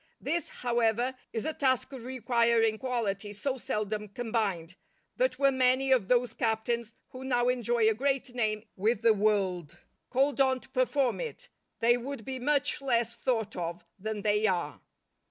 This, however, is a task requiring qualities so seldom combined, that were many of those captains who now enjoy a great name with the world, called on to perform it, they would be much less thought of than they are.